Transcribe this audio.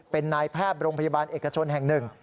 เป็นนายแพทย์โรงพยาบาลเอกชนแห่งหนึ่ง